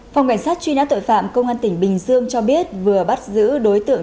phòng cảnh sát truy nã tội phạm công an tỉnh bình dương cho biết vừa bắt giữ đối tượng